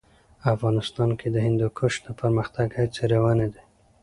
افغانستان کې د هندوکش د پرمختګ هڅې روانې دي.